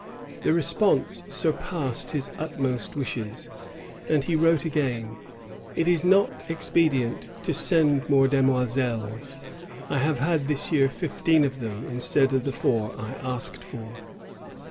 The response surpassed his utmost wishes ; and he wrote again: " It is not expedient to send more demoiselles. I have had this year fifteen of them, instead of the four I asked for."